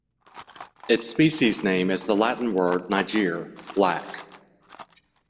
Its species name is the Latin word "niger" "black".